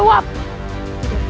kau akan menangkan aku